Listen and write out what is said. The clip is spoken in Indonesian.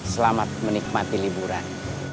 selamat menikmati liburan